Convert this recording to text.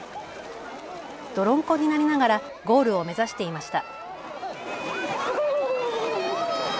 泥んこになりながらゴールを目指していました。